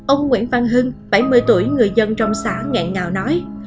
ông nguyễn văn hưng bảy mươi tuổi người dân trong xã nghẹn ngào nói